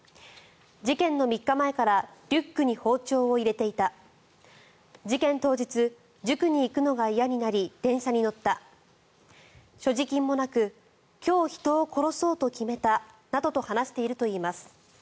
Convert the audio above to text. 事件の３日前からリュックに包丁を入れていた事件当日、塾に行くのが嫌になり電車に乗った所持金もなく今日、人を殺そうと決めたなどと話しているといいます。